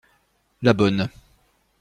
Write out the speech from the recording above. La bonne.